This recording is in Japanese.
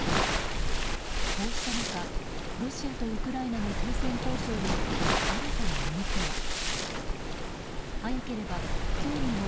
こうした中、ロシアとウクライナの停戦交渉に新たに動きが。